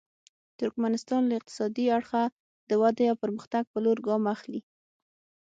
ترکمنستان له اقتصادي اړخه د ودې او پرمختګ په لور ګام اخلي.